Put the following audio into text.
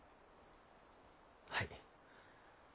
はい。